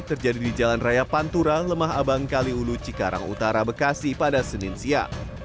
terjadi di jalan raya pantura lemah abang kaliulu cikarang utara bekasi pada senin siang